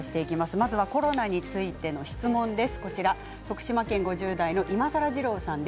まずはコロナについての質問です。